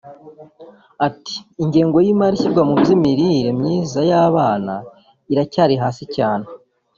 Ati “Ingengo y’imari ishyirwa mu by’imirire myiza y’abana iracyari hasi cyane